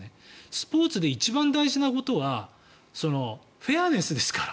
スポーツで一番大事なことはフェアネスですから。